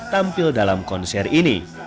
tampil dalam konser ini